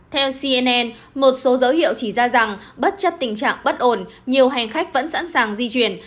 theo cnn một số dấu hiệu chỉ ra rằng bất chấp tình trạng bất ổn nhiều hành khách vẫn sẵn sàng di chuyển